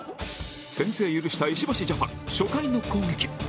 先制許した石橋ジャパン初回の攻撃